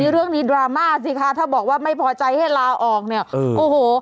เรื่องนี้ดราม่าสิคะถ้าบอกว่าไม่พอใจให้ลาออกเนี่ยโอ้โห